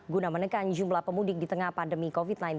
guna menekan jumlah pemudik di tengah pandemi covid sembilan belas